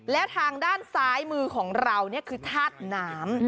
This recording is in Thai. แล้วทางด้านซ้ายมือของเรานี่คือธาตุน้ำ